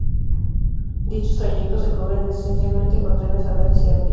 Dichos trayectos se cubren esencialmente con trenes Alaris y Alvia.